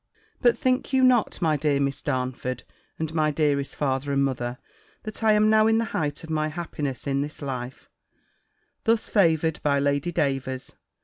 But think you not, my dear Miss Darnford, and my dearest father and mother, that I am now in the height of my happiness in this life, thus favoured by Lady Davers?